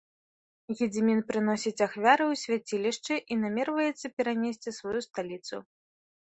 Гедзімін прыносіць ахвяры ў свяцілішчы і намерваецца перанесці сваю сталіцу.